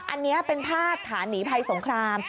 อันนี้เป็นภาพฐานหนีภัยสงคราม